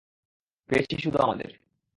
পেয়েছি শুধু আমাদের।